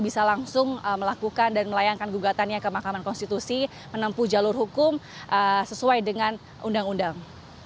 bisa langsung melakukan dan melayangkan gugatannya ke mahkamah konstitusi menempuh jalur hukum sesuai dengan undang undang